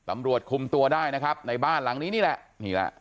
ตำรวจคุมตัวได้นะครับในบ้านหลังนี้นี่แหละนี่แหละ